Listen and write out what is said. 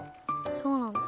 そうなんだ。